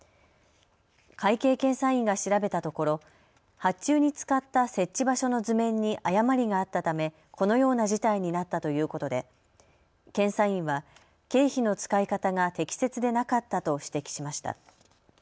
会計検査院が調べたところ発注に使った設置場所の図面に誤りがあったためこのような事態になったということで検査院は経費の使い方が適切でなかったと指摘しました。